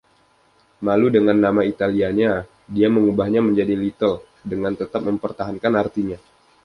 Malu dengan nama Italia-nya, dia mengubahnya menjadi "Little", dengan tetap mempertahankan artinya.